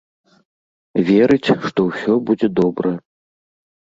Верыць, што ўсё будзе добра.